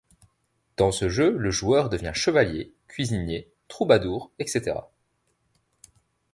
Dans ce jeu le joueur devient chevalier, cuisinier, troubadour etc.